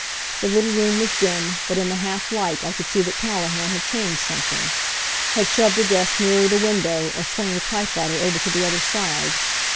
The little room was dim, but in the half light I could see that Callahan had changed something had shoved a desk nearer the window, or swung the typewriter over to the other side.